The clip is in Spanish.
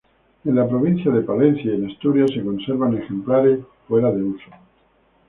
En la provincia de Palencia y en Asturias se conservan ejemplares fuera de uso.